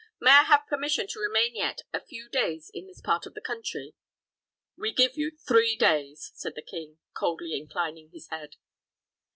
May I have permission to remain yet a few days in this part of the country?" "We give you three days," said the king, coldly inclining his head.